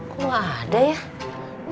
kok ada ya